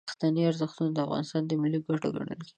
پښتني ارزښتونه د افغانستان ملي ګټې ګڼل کیږي.